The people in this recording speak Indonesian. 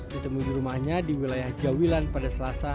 ditemui di rumahnya di wilayah jawilan pada selasa